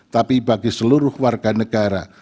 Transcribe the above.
tapi bagi seluruh warga negara